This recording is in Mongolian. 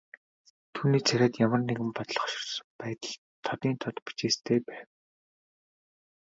Түүний царайд ямар нэг бодлогоширсон байдал тодын тод бичээстэй байв.